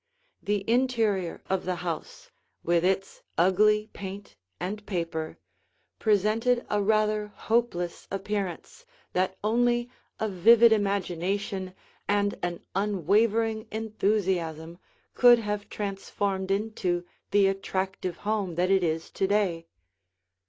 The interior of the house with its ugly paint and paper, presented a rather hopeless appearance, that only a vivid imagination and an unwavering enthusiasm could have transformed into the attractive home that it is to day.